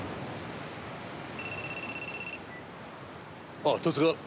ああ十津川。